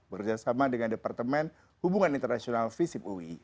bekerjasama dengan departemen hubungan internasional visip ui